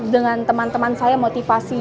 dengan teman teman saya motivasi